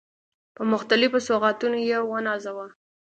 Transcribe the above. په مختلفو سوغاتونو يې ونازاوه.